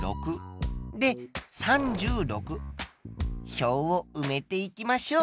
表をうめていきましょう。